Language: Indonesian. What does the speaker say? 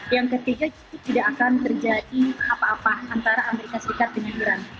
yang ketiga tidak akan terjadi apa apa antara amerika serikat dengan iran